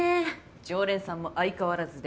常連さんも相変わらずで。